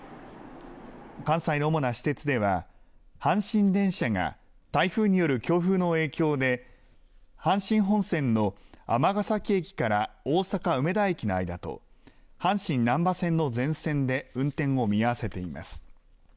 関西の主な私鉄では、阪神電車が台風による強風の影響で、阪神本線の尼崎駅から大阪梅田駅の間と、阪神なんば線の全線で運転を見合わせています。